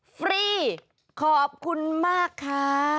ฟรีขอบคุณมากค่ะ